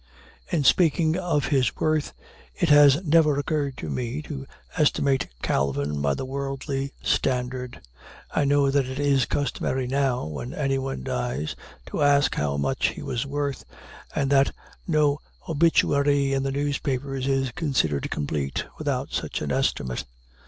In speaking of his worth, it has never occurred to me to estimate Calvin by the worldly standard. I know that it is customary now, when anyone dies, to ask how much he was worth, and that no obituary in the newspapers is considered complete without such an estimate.